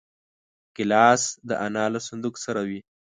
ګیلاس د انا له صندوق سره وي.